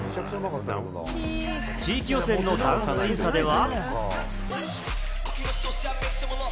地域予選のダンス審査では。